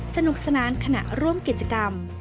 สนุกสนานขณะร่วมกิจกรรม